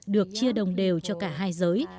được chia đồng đều cho cả hai giới